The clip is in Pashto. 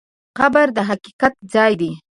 قبر د حقیقت ځای دی.